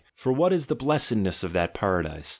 For what is the blessed ness of that Paradise?